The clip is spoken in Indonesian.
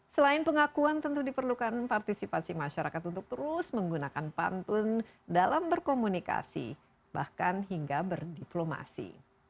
selain pengakuan tentu diperlukan partisipasi masyarakat untuk terus menggunakan pantun dalam berkomunikasi bahkan hingga berdiplomasi